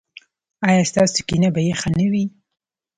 ایا ستاسو کینه به یخه نه وي؟